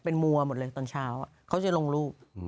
เป็นมัวหมดเลยตอนเช้าเขาจะลงรูป